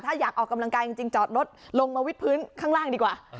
ถ้าอยากออกกำลังกายจริงจอดรถลงมาวิดพื้นข้างล่างดีกว่า